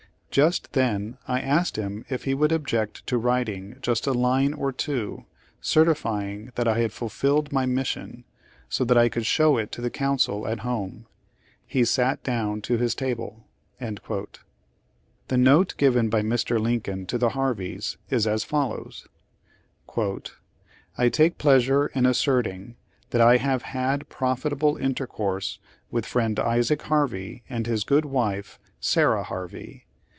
Just then I asked him if he would object to writing just a line or two, certifying that I had fulfilled my mission, so that I could show it to the council at home. He sat down to his table." ' The note given by Mr. Lincoln to the Harveys, is as follows: "I take pleasure in asserting that I have hed profitable intei'couise with friend Isaac Harvey and his good wife, Sarah Harvey.